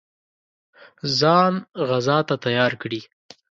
ځان غزا ته تیار کړي.